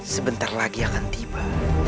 sebentar lagi akan tiba